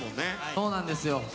そうなんです。